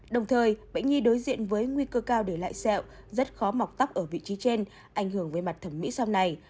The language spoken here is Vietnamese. đồng thời bệnh nhi đối diện với nguy cơ cao để lại sẹo rất khó mọc tóc ở vị trí trên ảnh hưởng về mặt thẩm mỹ sau này